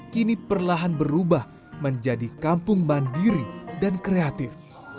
kini perlahan berubah menjadi kampung mandiri dan kreatif